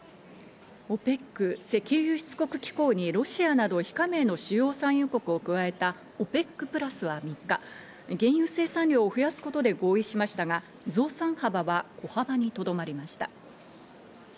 ＯＰＥＣ＝石油輸出国機構にロシアなど非加盟の主要産油国を加えたＯＰＥＣプラスは３日、原油生産量を増やすことで合意しましたが、増産幅は小幅にとどまりました。